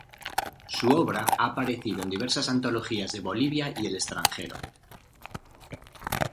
Su obra ha aparecido en diversas antologías de Bolivia y el extranjero.